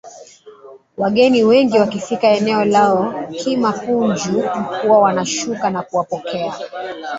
Wageni wengi wakifika eneo lao kima punju huwa wanashuka na kuwapokea